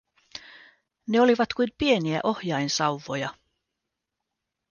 Ne olivat kuin pieniä ohjainsauvoja.